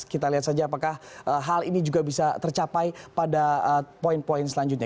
kita lihat saja apakah hal ini juga bisa tercapai pada poin poin selanjutnya